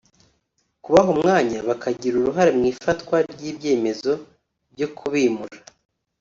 kubaha umwanya bakagira uruhare mu ifatwa ry’ibyemezo byo kubimura